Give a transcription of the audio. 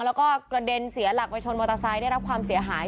แล้วก็กระเด็นเสียหลักไปชนมอเตอร์ไซค์ได้รับความเสียหาย